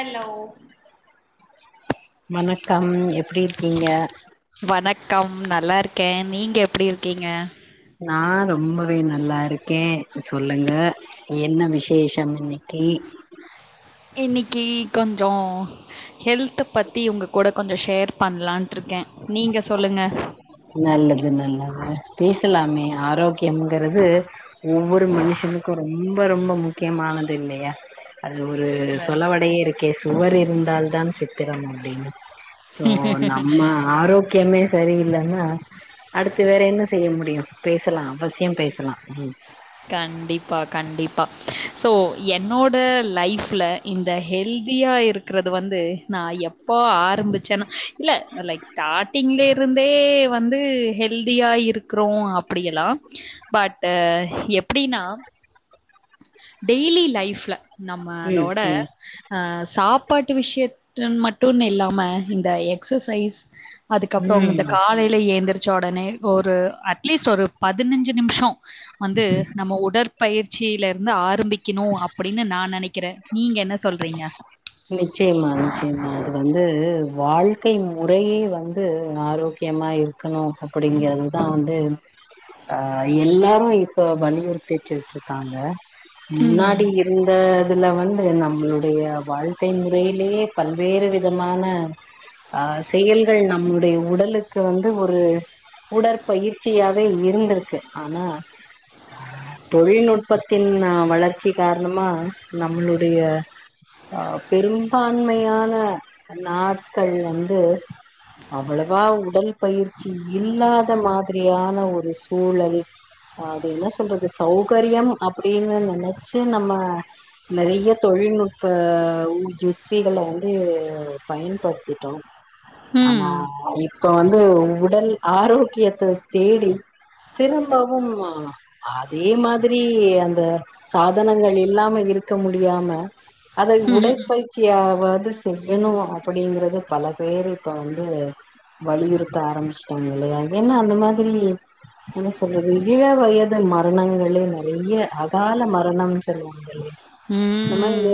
Allow வணக்கம் எப்படி இருக்கீங்க வணக்கம் நல்லா இருக்கேன் நீங்க எப்படி இருக்கீங்க நா ரொம்பவே நல்லா இருக்கே சொல்லுங்க என்ன விசேஷம் டீ இன்னைக்கி கொஞ்சோ ஹெல்த பத்தி உங்க கூட கொஞ்சொ ஷேர் பண்லான்ட்ருக்கே நீங்க சொல்லுங்க நல்லது நல்லது பேசலாமே ஆரோக் கியம்ங்கறது ஒவ்வொரு மனுஷனுக்கூ ரொம்ப ரொம்ப முக்கியமானது இல்லையா அது ஒரு சொலவடையே இருக்கே சுவர் இருந்தால் தான் சித்திரம் அப்டின்னு சோ நம்ம ஆரோக்கியமே சரி இல்லன்னா அடுத்து வேற என்ன செய்ய முடியு பேசலா அவசியம் பேசலா ம் கண்டிப்பா கண்டிப்பா ஸோ என்னோட லைஃப்ல இந்த ஹெல்தியா இருக்கிறது வந்து நா எப்ப ஆரம்பிச்சேன்னா இல்ல லைக் ஸ்டார்ட்டிங்ல இருந்தே வந்து ஹெல்தியா இருக்றோ அப்டி எல்லா பட் எப்டின்னா டெய்லி லைஃப்ல ம் நம்மளோட ஆ சாப்பாட்டு விஷயத்த மட்டுனு இல்லாம இந்த எக்சசைஸ் அதுக்கப்புறம் ம் இந்த ம் காலையில ஏந்திரிச்ச ஒடனே ஒரு அட்லீஸ்ட் ஒரு பதினஞ்சு நிம்ஷொ வந்து நம்ம உடற்பயிற் சியில இருந்து ஆரம்பிக்கிணு அப்பிடின்னு நா நெனைக்கிறே நீங்க என்ன சொல்றீங்க நிச்சயமா நிச்சயமா அது வந்து வாழ்க்கை முறையே வந்து ஆரோக்கியமா இருக்கணு அப்படிங்கறதுதா வந்து அ எல்லோரு இப்ப வலியுறுத்திச்சுட்ருக்காங்க ம் முன்னாடி இருந்த இதுல வந்து நம்ளோட டைய வாழ்க்கை முறையிலேயே பல்வேறு விதமான ஆ செயல்கள் நம்மமுடைய உடலுக்கு வந்து ஒரு உடற்பயிற்சியாவே இருந்திருக்கு ஆனா தொழில்நுட்பத்தின் அ வளர்ச்சி காரணமா நம்முளுடைய அ பெரும்பான்மையான நாட்கள் வந்து அவ்வளவா உடல் பயிற்சி இல்லாத மாதிரியான ஒரு சூழல் அது என்ன சொல்றது சௌகர்யம் அப்டின்னு நெனச்சு நம்ம நெறைய தொழில்நுட் ப்ப யுத்திகள வந்து பயன்படுத்திட்டோ ஆனா இப்ப வந்து உடல் ஆரோக்கியத்த தேடி திரும்பவும் அதே மாதிரி அந்த சாதனங்கள் இல்லாம இருக்க முடியாம அதை ம் உடப்பயிற் சியாவது செய்யணு அப்படிங்கறது பல பேரு இப்ப வந்து வலியுறுத்த ஆரம்பிச்சட்டாங்க இல்லையா ஏன்னா அந்த மாதிரி என்ன சொல்றது இள வயது மரணங்களே நறைய அகால மரணம் சொல்லுவாங்க ங்களே ம்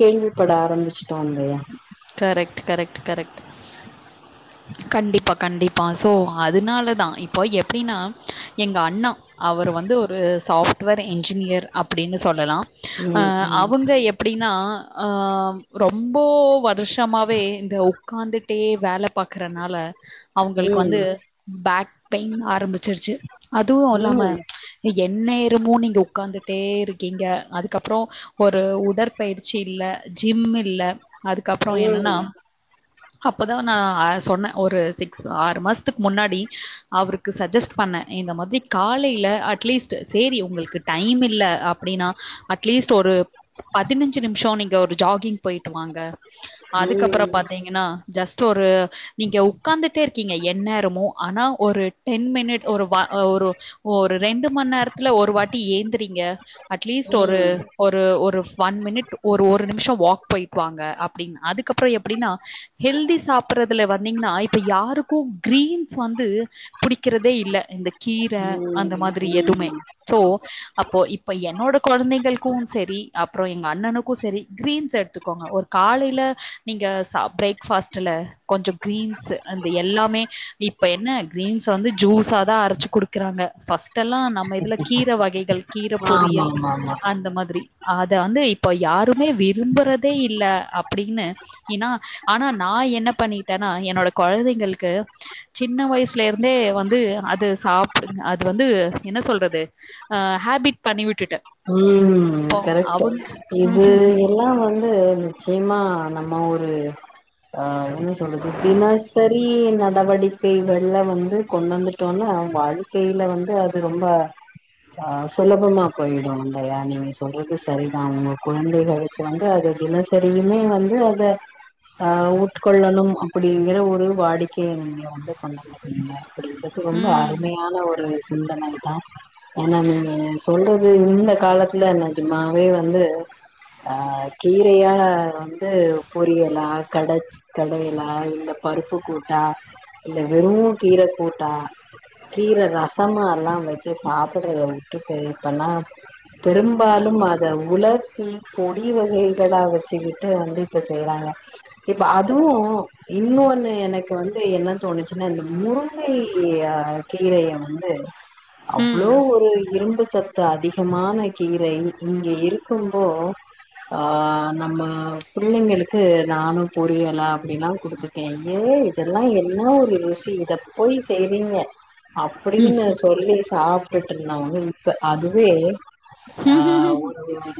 கேள்விப்பட ஆரம்ச்சுட்டோ இல்லையா கரெக்ட் கரெக்ட் கரெக்ட் கண்டிப்பா கண்டிப்பா சோ அதுனால தா இப்போ எப்டின்னா எங்க அண்ணா அவர் வந்து ஒரு சாஃப்ட்வேர் என்ஜினியர் அப்டின்னு சொல்லலா அ ம் ம் அவுங்க எப் பிடின்னா ஆ ரொம்போ வருஷமாவே இந்த உக்காந்து டே வேல பாக்கறனால அவுங்களுக்கு வந்து பேக் பெயின் ஆரம்பிச்சிருச்சு அதுவு இல்லாம ம் என்நேரமு நீங்க உக்காந்துட்டேருக்கீங்க அதுக் கப்பறோ ஒரு உடற்பயிற்சி இல்ல ஜிம் இல்ல அதுக்கப்ற ம் என்னன்னா அப்பதா நா அ சொன்னே ஒரு சிக்ஸ் ஆறுமாசத்துக் முன்னாடி அவுருக்கு சஜஸ்ட் பண்ண இந்த மாதிரி காலைல அட்லீஸ்ட் சேரி உங்குள்க்கு டைம் இல்ல அப்டின்னா லீஸ்ட் ஒரு பதினஞ்சு நிம்ஷோ நீங்க ஒரு ஜாகிங் பொயிட்டு வாங்க ம் அதுக்கப்பறொ பாத்தீங்கன்னா ஜஸ்ட் ஒரு நீங்க உக்கார்ந்துட்டே இருக்கீங்க என்நேரமு ஆனா ஒரு டென் மினிட் ஒரு ஒரு ஒரு ரெண்டு மண்நேரத் ல ஒரு வாட்டி ஏந்தறீங்க அட்லீஸ்ட் ஒரு ம் ஒரு ஒரு ஒன் மினிட் ஒரு ஒரு நிம்ஷொ வாக் போய்ட்டுவாங்க அப்டின்னு அதுக்கப்பறொ எப்டின்னா ஹெல்தி சாப்புட்றதுல வந்தீங்ன்னா இப்ப யாருக்கூ கிரீன்ஸ் வந்து புடிக்கிறதே இல்ல இந்த கீர ம் அந்த மாதிரி ம் எதுமே ம் சோ அப்போ இப்ப என்னோட கொழந்தைங்களுக்கு செரி அப்பற எங்க அண்ணனுக்கு செரி கிரீன்ஸ் எடுத்துக்கோங்க ஒரு காலையில நீங்க ச பிரேக்ஃபாஸ்ட்டுல கொஞ்சம் கிரீன்ஸ்அந்த எல்லாமே இப்ப என்ன கிரீன்ஸ் வந்து ஜூஸ்ஸாதா அரைச்சு குடுக்குறாங்க ஃபர்ஸ் டெல்லா நம்ம இதுல கீர வகைகள் ஆமா கீரபொரியல் ஆமா ஆமா அந்த மாதிரி அத அந்து இப்ப யாருமே விரும்பறதே இல்ல அப்புடின்னு என்னா ஆனா நா என்ன பண்ணிட்டன்னா என்னோட கொழந்தைங்களுக்கு சின்ன வயஸ்லேர்ந்தே வந்து அது சாப்டுங்க அது வந்து என்ன சொல்றது அ ஹேபிட் பண்ணிவிட்டுட்டே ம் கரெக்ட் இது ம் இதுல்லா வந்து நிச்சயமா நம்ம ஒரு அ என்ன சொல்லுது தினசரி நடவடி கைகள்ல வந்து கொண்டு வந்துட்டோன்னா வாழ்க்கைல வந்து அது ரொம்ப அ சுலபமா பொய்டு அல்லையா நீங்க சொல்றது சரிதாங்க குழந்தைகளுக்கு வந்து அது தினஸ் செரியுமே வந்து அத ஆ உட்கொள்ளணு அப்படிங்கிற ஒரு வாடிக்கைய நீங்க வந்து கொண்ட க்கு ரொம்ப ம் அருமையான ஒரு சிந்தனதா ஏன்னா நீங்க சொல்ற ம் இந்த காலத்துல நெஜமாவே வந்து அ கீரையா வந்து பொரியலா கடச் கடையலா இல்ல பருப்பு கூட்டா இல்ல வெறூ கீர கூட்டா கீர ரசமால்லா வெச்சு சாப்புட்றத விட்டுட்டு இப்பல்லா பெரும்பாலும்அத உலர்த்தி கொடி வகைகளா வச்சுகிட் ட்டு வந்து இப்ப செய்யறாங்க ப்ப அதுவு இன்னொன்னு எனக்கு வந்து என்ன தோணுச்சுன்னா இந்த முருங்கை கீரையவந்து அவ்ளோ ஒரு இரும்பு சத்து அதிகமான கீரை இங்க இருக்கும்போ ஆ நம்ம புள்ளைங்களுக்கு நானு புரியலா அப்புடில்லா குடுத்துட்டே ஏ இதெல்லா என்ன ஒரு ருசி இத போய் செய்வீங்க ம் அப்டின்னு சொல்லி சாப்ட்டுட்டு இருந்தவங்க இப்ப அதுவே அ ம். ஒ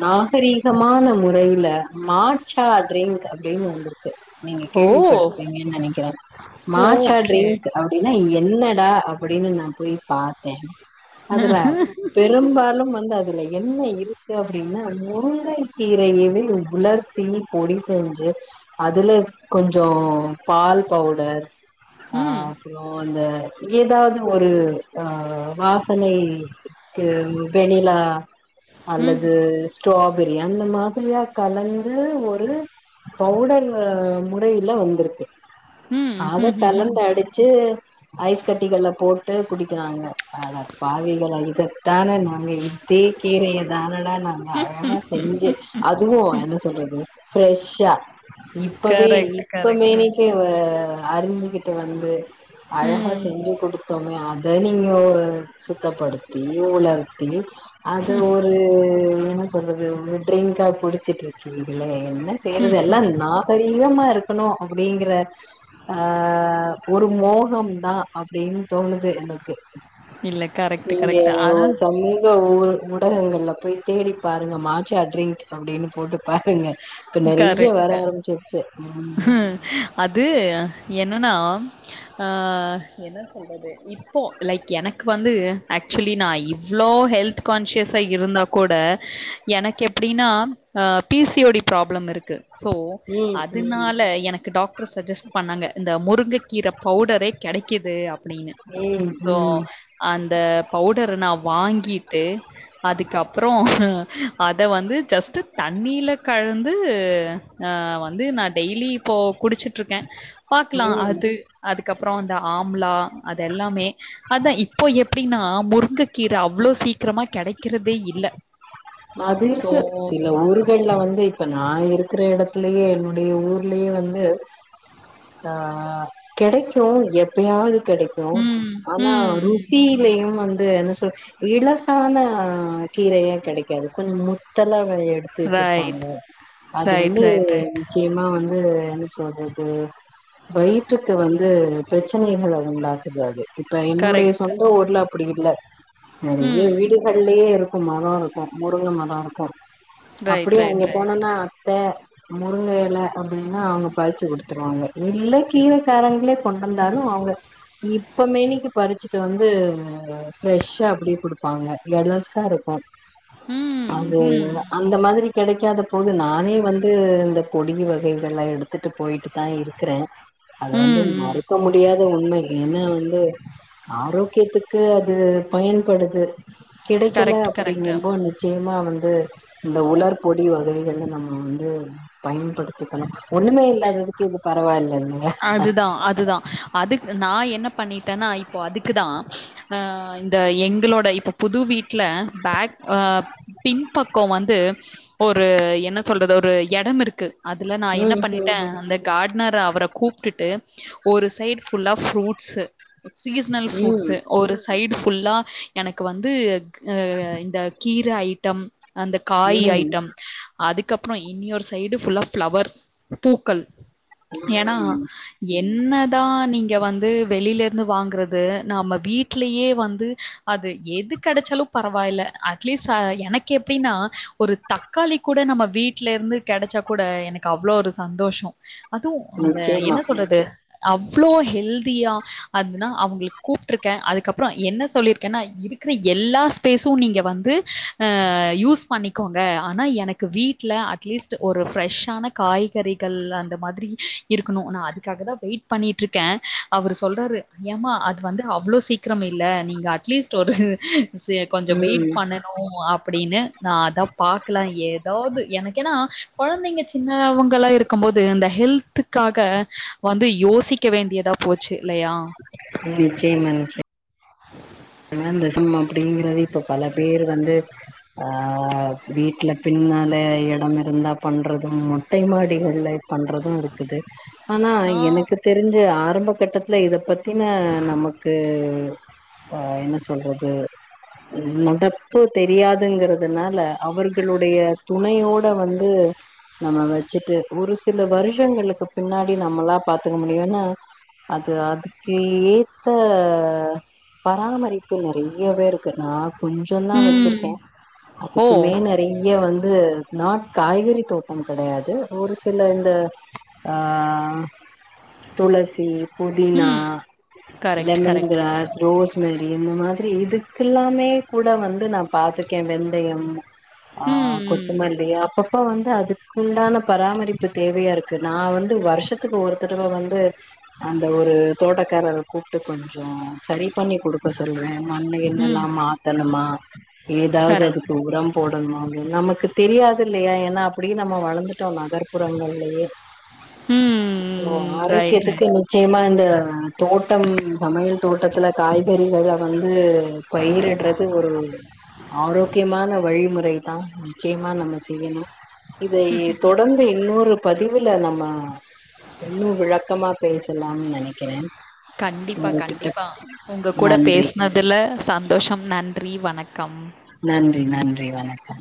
நாகரீகமான முறையில மாற்றாடிங் அப்டின்னு வந்து நீங்க கேள்வி ஓ பட்ருபீங்கன்னு நெனைக்கிறே ஓகே. மாற்றாட்ரிங் அப்டின்னா என்னடா அப்டின்னு நா போய் பாத்தே அதுல ம். பெரும்பாலு வந்து அதுல என்ன இருக்கு அப்டின்னா முருங்கை கீரையவே உலர் தீ பொடி செஞ்சு அதுல கொஞ்சோ பால் பவுடர் அ அப்றோ இந்த ஏதாவ்து ஒரு அ வாசனை க்கு வெண்ணிலா ம். அல்லது ஸ்ட்ராபெரி அந்த மாதிரியா கலந்து ஒரு பவுடர் முறையில வந்ருக் ம். அத கலந்து அடி வச்சி ஐஸ் கட்டிகல போட்டு குடிக்கிறாங்க அட பாவிகள இத தான அங்க இதே கீரைய தானடா நா அழாகா செஞ்சு அதுவு என்ன சொல்றது ஃப்ரெஷ்ஷா இப்பவே கரெக்ட், இப்ப கரெக்ட். மேனிக்கே அறிஞ்சிக்கிட்டு வந்து ம். அழகா செஞ்சு குடுத் த்தோமே அத நீங்க சுத்தப்படுத்தி உலர்த்தி அது ஒரு என்ன சொல்றது ட்ரிங்காகுடிச்சிட்டு இருக்கு இ என்ன செய்றது எல்லா நாகரீகமா இருக்கனு அப்டிங்கிற அ ஒரு மோகம் தா அப்டின் தோணுது எனக் இல்ல கரெக்ட் கரெக் சமூக ஊ ஊடகங்கள்ல போய் தேடி பாருங்க மாச்சாட்ரிங் அபடின்னு போட்டு பாருங்க இப்ப நறைய வர கரெக்ட். ஆரம்பிச்ருச்சு ம் அது என்னன்னா ஆ என்ன சொல்றது இப்போ லைக் எனக்கு வந்து ஆக்சுவலி நா இவ்ளோ ஹெல்த் கான்சியஸா இருந்தா கூட எனக்கு எப்டின்னா அ பீசி ஓடி ப்ராப்ளம் இருக்கு சோ ம் அதனால எனக்கு டாக்டர் சஜஸ்ட் பண்ணாங்க இந்த முருங்க கீர பவுடரே கெடைக்குது அப்படின்னு ம் சோ ம் அந்த பவுடர நா வாங்கிட்டு அதுக்கப்றோ அத வந்து ஜஸ் தண்ணீல கழந்து அ வந்து நா டெய்லி இப்போ குடிச்ட்ருக்கே பாக்லா ம் ம் அது அதுக்கப்றோ அந்த ஆம்லா அது எல்லாமே அதா இப்போ எப்டின்னா முருங்கக்கீர அவ்ளோ சீக்ரமா கெடைக்றதே இல்ல அது சோ இருக்கு சி இ ஊர்கள்ல வந்து இப்ப நா இருக்குற எடத்துலயே என்னுடைய ஊர்லயே வந்து ஆ கெடைக்கு எப்பயாவது கெடைக்கு ம், ஆனா ம். ரூஸ் சிட்டிலையு வந்து என்ன சொல் இலசான கீரைய கெடைக்கு [unintelligible] கொஞ்சோ முத்தலா எடுத்து வச்சிருப்பாங்க ரைட். அது ரைட், வந்து ரைட், ரைட். நிச்சயமா வந்து என்ன சொல்றது வயிற்றுக்கு வந்து பிரச்சனைகள உண்டாகுது அது இப்ப என்னுடைய கரெக்ட். சொந்த ஊர்ல அப்டி இல்ல நெறைய ம். வீடுகள்லயே இருக்கு மரோ இருக்கு முருங்க மரோ இருக்கு ரைட், ரைட், அப்டியேஷஅங்க ரைட். போனனா அத்த முருங்க எல அப்டின்னா அவுங்க பறிச்சி குடுத்துருவாங்க இல்ல கீரைக்காரங்களே கொண்டு வந்தாலு அவுங்க இப்பமேனிக்கு பறிச் ட்டு வந்து ஃப்ரெஷ்ஷா அப்டியே குடுப்பாங்க எலஸா இருக்கு ம், அது ம். அந்த மாதிரி கெடைக்காத போது நானே வந்து இந்த பொடி வகைகள்ல்லா எடுத் பாத்துட்டு போயிட்டு தா இருக்கிற அத வந்து ம், ம். மறக்க முடியாத உண்ம ஏன்னா வந்து ஆரோக்கியத்துக்கு அது பயன்படுது கெடைக்கல கரெக்ட், அப்டிங்க கரெக்ட். நிச்சயமா வந்து இந்த உலர் பொடி வகைகள்ல நம்ம வந்து பயன்படுத்திக்கணு ஒண்ணுமே இல்லாததுக்கு இது பரவாயில்லல அ அதுதா அதுக்கு நா என்ன பண்ணிட்டன்னா இப்போ அதுக்குதா ஆ இந்த எங்களோட இப்போ புது வீட்ல பேக் அ பின்பக்கோ வந்து ஒரு என்ன சொல்றது ஒரு இடம் இருக்கு அதுல நா என்ன ம் பண்ணிட்ட ம் அந்த கார்ட்னர் அவர கூப்டுட்டு ஒரு சைட் ஃபுல்லா ஃப்ரூட்ஸ்சு சீஸ்னல் ம் ஃப்ரூட்ஸ்சு ஒரு சைடு ஃபுல்லா எனக்கு வந்து அ இந்த கீர ஐட்டம் அந்த காய் ம் ஐட்டம் அதுக்கு அப்பறோ இன்னியொரு சைடு ஃபுல்லா ஃப்ளவர்ஸ் பூக்கள் ஏன்னா என்ன தா நீங்க வந்து வெளில இருந்து வாங்கறது நாம்ம வீட்லயே வந்து அது எது கெடச்சாலு பரவாயில்ல அட்லீஸ்ட் அ எனக்கு எப்டின்னா ஒரு தக்காளி கூட நம்ம வீட்ல இருந்து கெடச்சா கூட எனக்கு அவ்ளோ ஒரு சந்தோஷோ அது அந்த நிச்சயமா என்ன சொல்றது அவ்ளோ ஹெல்தியா அதுனா அவுங்ளுக் கூப்ட்டுருக்கே அதுக்கு அப்றோ என்ன சொல்லியிருக்கேன்னா இருக்கிற எல்லா ஸ்பேசு நீங்க வந்து அ யூஸ் பண்ணிக்கோங்க ஆனா எனக்கு வீட்ல அட்லீஸ்ட் ஒரு ஃப்ரெஷ்ஷான காய்கறிகள் அந்த மாதிரி இருக்கணு நா அதுக்காக தா வெயிட் பண்ணிட்டுருக்கே அவரு சொல்றாரு ஏமா அது வந்து அவ்ளோ சீக்கிரம் இல்ல நீங்க அட்லீஸ்ட் ஒரு கொஞ்ச வெயிட் ம் பண்ணணு அப்டின்னு நா அதா பாக்லா ஏ ஏதாவது எனக்கு ஏனா கொழந்தைங்க சின்னவங்களா இருக்கும்போது இந்த ஹெல்த்துக்காக வந்து யோசிக்க வேண்டியதா போச்சு இல்லையா ம் சேர்மங் சேர் [unintelligible] ஆனாந்தசம் அப்டிங்கறது இப்ப பல பேர் வந்து அ வீட்ல பின்னால இடம் இருந்தா பண்றதும் மொட்டை மாடிகள்ல பண்றது இருக்குது ஆனா ஆ. எனக்கு தெரிஞ்சி ஆரம்ப கட்டத்துல இத ப த்தின நமக்கு அ என்ன சொல்றது நடப்பு தெரியாதுங்கறதுனால அவர்களுடைய துணையோட வந்து நம்ம வச்சுட்டு ஒரு சில வருஷங்களுக்கு பின்னாடி நம்மளா பாத்துக்க முடியுன்னா அது அதுக்கு ஏத்த பராமரிப்பு நறை நறைய பேர் இருக்குனா கொஞ்சோ தா வச்சிருக்கே ம். ஓ! அதுக்குமே நெறைய வந்து நா காய்கறி தோட்டம் கெடையாது ஒரு சில இந்த ஆ துளசி புதினா ம். Correct, lemon correct, correct. Grass rosemary இந்த மாதிரி இதுக்கு எல்லாமே கூட வந்து நா பாத்துருக்கே வெந்தயம் ஆ ம், ம். கொத்தமல்லி அப் பப்ப வந்து அதுக்குண்டான பராமரிப்பு தேவையா இருக்கு நா வந்து வர்ஷத்துக்கு ஒரு தடவ வந்து அந்த ஒரு தோட்டக்காரர கூப்ட்டு கொஞ் சோ சரி பண்ணி குடுக்க சொல்லுவே மண்ணு ம் என்னல்லா மாத்தணுமா ஏதாவது அது கரெக்ட் க்கு உரம் போடணுமா அப்டின்னு நமக்கு தெரியாது இல்லையா ஏன்னா அப்டியே நம்ம வளர்ந்துட்டோ நகர்ப்புறங்கள்லயே ஓ ம் ரைட் ஆரோக்கியத்துக்கு ரைட் நீ நிச்சயமா இந்த தோட்டம் சமையல் தோட்டத்துல காய்கறிகளா வந்து பயிட்டிறது ஒரு ஆரோக்கியமான வழிமுறை தா நிச்சயமா நம்ம செய்யணு இதை தொடர்ந்து இன்னோரு பதிவுல நம்ம இன்னு விளக்கமா பேச லாம்னு நெனக்குறே கண்டிப்பா கண்டிப்பா ஒங்க கூட நன்றி பேசுனது இதுல சந்தோஷம் நன்றி வணக்கம் நன்றி நன்றி வணக்கம்